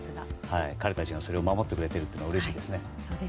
彼らがそれを守ってくれてるのがうれしいですね。